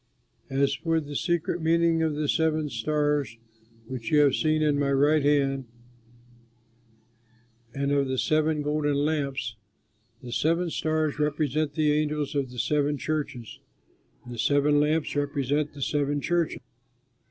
As for the secret meaning of the seven stars which you have seen in my right hand and of the seven golden lamps the seven stars represent the angels of the seven churches, and the seven lamps represent the seven churches."